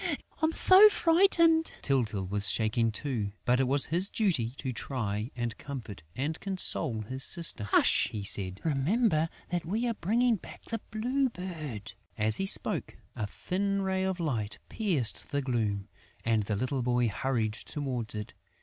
I'm so frightened!" Tyltyl was shaking too, but it was his duty to try and comfort and console his sister: "Hush!" he said. "Remember that we are bringing back the Blue Bird!" As he spoke, a thin ray of light pierced the gloom; and the little boy hurried towards it.